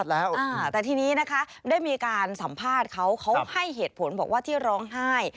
แต่ทีนี้นะคะได้มีการสัมภาษณ์เขาเขาให้เหตุผลบอกว่าที่ร้องไห้